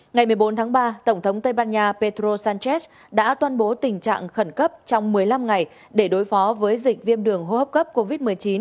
ngày một mươi bốn tháng ba tổng thống tây ban nha pedro sánchez đã tuyên bố tình trạng khẩn cấp trong một mươi năm ngày để đối phó với dịch viêm đường hô hấp cấp covid một mươi chín